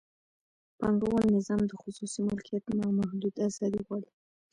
پانګوال نظام د خصوصي مالکیت نامحدوده ازادي غواړي.